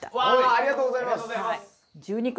ありがとうございます！